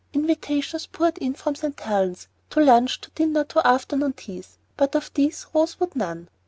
Invitations poured in from St. Helen's, to lunch, to dinner, to afternoon teas; but of these Rose would none.